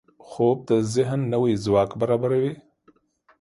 خوب د ذهن نوي ځواک برابروي